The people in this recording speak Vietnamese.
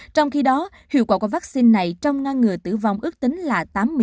trong khi đó hiệu quả của vaccine này trong ngăn ngừa tử vong ước tính là tám mươi